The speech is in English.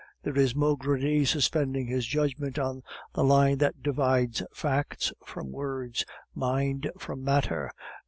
There is Maugredie suspending his judgment on the line that divides facts from words, mind from matter.